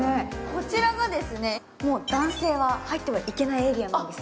こちらが、男性は入ってはいけないエリアなんです。